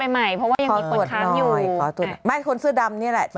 เพราะว่ายังมีคนค้ำอยู่ขอตรวจน้อยขอตรวจน้อยไม่คนเสื้อดำนี่แหละ